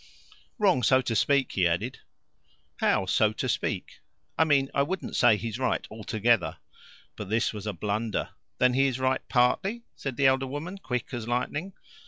"Wrong, so to speak," he added. "How 'so to speak'?" "I mean I wouldn't say he's right altogether." But this was a blunder. "Then he is right partly," said the elder woman, quick as lightning.